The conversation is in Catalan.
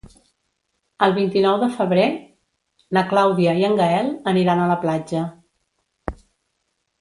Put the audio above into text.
El vint-i-nou de febrer na Clàudia i en Gaël aniran a la platja.